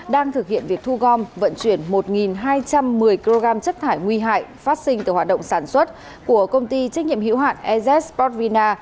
đang thực hiện việc thu gom vận chuyển một hai trăm một mươi kg chất thải nguy hại phát sinh từ hoạt động sản xuất của công ty trách nhiệm hữu hạn ez borrvina